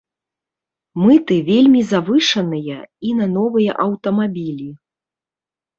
Мыты вельмі завышаныя і на новыя аўтамабілі.